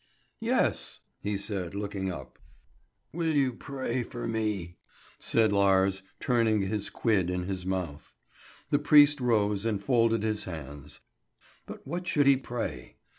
"Yes," he said looking up. "Will you pray for me?" said Lars, turning his quid in his mouth. The priest rose and folded his hands; but what should he pray?